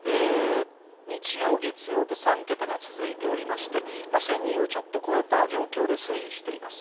日曜、月曜と３桁が続いておりまして、１０００人をちょっと超えた状況で推移しています。